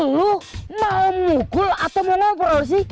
lu mau mukul atau mau nongkrong sih